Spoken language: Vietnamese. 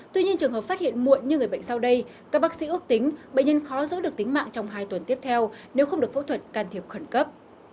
tuy nhiên trường hợp phát hiện muộn như người bệnh sau đây các bác sĩ ước tính bệnh nhân khó giữ được tính mạng trong hai tuần tiếp theo nếu không được phẫu thuật can thiệp khẩn cấp